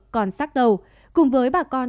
còn sắc tàu cùng với bà con